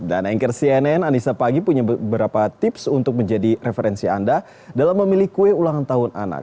dan anchor cnn anissa pagi punya beberapa tips untuk menjadi referensi anda dalam memilih kue ulang tahun anak